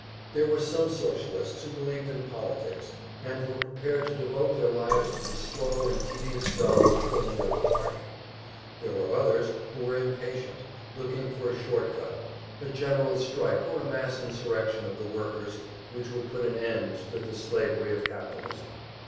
There were some Socialists who believed in politics, and were prepared to devote their lives to the slow and tedious job of building up a party. There were others who were impatient, looking for a short cut, a general strike or a mass insurrection of the workers which would put an end to the slavery of capitalism.